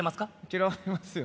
嫌われてますよ